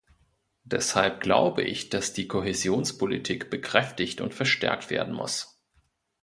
Deshalb glaube ich, dass die Kohäsionspolitik bekräftigt und verstärkt werden muss.